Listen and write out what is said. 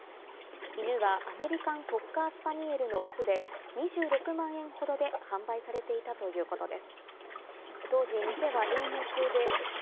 犬はアメリカンコッカースパニエルの雄で２６万円ほどで販売され関東のお天気です。